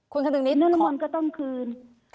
คุณนรมนต์ก็ต้องคืน